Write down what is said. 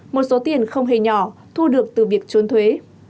một số tiền không hề nhỏ thu được từ việc trốn thuế